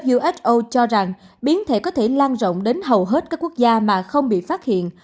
uso cho rằng biến thể có thể lan rộng đến hầu hết các quốc gia mà không bị phát hiện